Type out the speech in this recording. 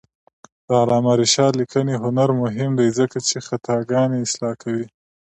د علامه رشاد لیکنی هنر مهم دی ځکه چې خطاګانې اصلاح کوي.